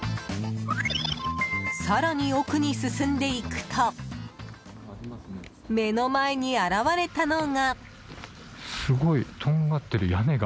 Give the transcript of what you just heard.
更に奥に進んでいくと目の前に現れたのが。